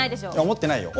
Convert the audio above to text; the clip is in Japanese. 思ってないよ。